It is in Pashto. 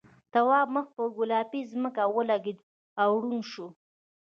تواب مخ پر گلابي ځمکه ولگېد او دروند شو.